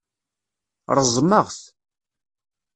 Reẓmeɣ-t.